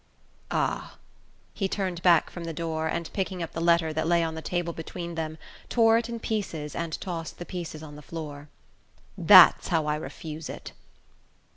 "Ah !" He turned back from the door, and picking up the letter that lay on the table between them, tore it in pieces and tossed the pieces on the floor. "That's how I refuse it!"